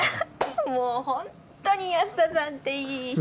もう本当に安田さんっていい人！